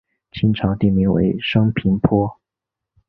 清朝定名为升平坡。